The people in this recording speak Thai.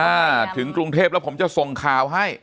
ถึงกรุงเทพแล้วผมจะส่งข่าวให้